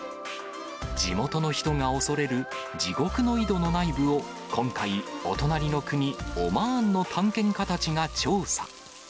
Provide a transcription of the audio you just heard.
地元の人が恐れる地獄の井戸の内部を、今回、お隣の国、オマーンの探検家たちが調査。